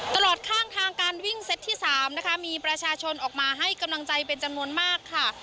ตลอดข้างทางการวิ่งเซตที่๓นะคะมีประชาชนออกมาให้กำลังใจเป็นจำนวนมากค่ะ